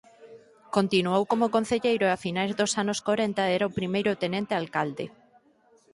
Continuou como concelleiro e a finais dos anos corenta era o primeiro tenente alcalde.